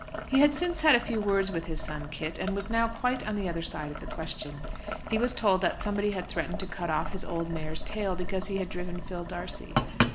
He had since had a few words with his son Kit, and was now quite on the other side of the question. He was told that somebody had threatened to cut off his old mare's tail because he had driven Phil D'Arcy.